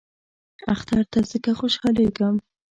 اختر ته ځکه خوشحالیږم .